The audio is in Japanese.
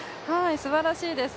すばらしいです。